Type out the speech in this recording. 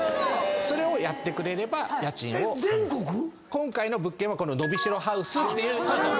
今回の物件はこのノビシロハウスっていう。